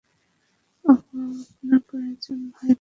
আপনার কয়েকজন ভাই-বোন আছেন, তাই না?